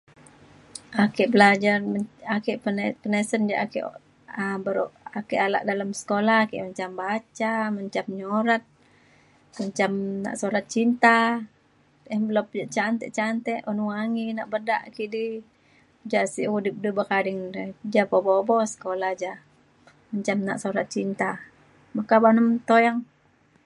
ake belajen ake peni- penisen ja ake um beru ake alak dalem sekula ake menjam baca menjam nyurat menjam nak surat cinta envelope yak cantik cantik un wangi nak bedak kidi ja sek mudip de buk ading dei. ja pa pebo bo sekula ja menjam nak surat cinta meka ba na tuyang.